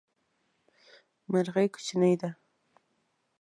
مرغی کوچنی ده